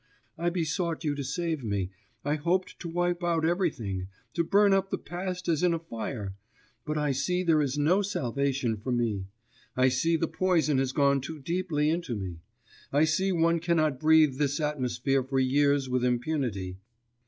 I besought you to save me, I hoped to wipe out everything, to burn up the past as in a fire ... but I see there is no salvation for me; I see the poison has gone too deeply into me; I see one cannot breathe this atmosphere for years with impunity.